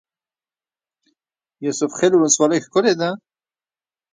یوسف خیل ولسوالۍ ښکلې ده؟